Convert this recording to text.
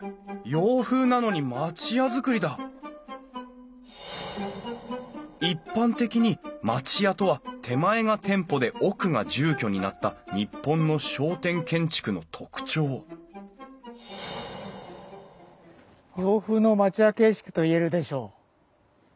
洋風なのに町屋造りだ一般的に町屋とは手前が店舗で奥が住居になった日本の商店建築の特徴洋風の町屋形式といえるでしょう。